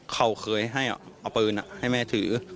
เขาเคยให้เอาปืนให้แม่ถือ